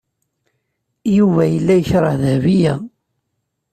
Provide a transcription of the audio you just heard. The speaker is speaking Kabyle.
Yuba yella yekreh Dahbiya.